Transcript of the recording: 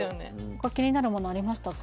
他気になるものありましたか？